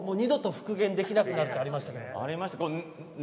二度と復元できなくなるってありましたね。